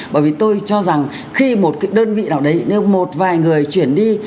bởi vì tôi cho rằng khi một cái đơn vị nào đấy nhưng một vài người chuyển đi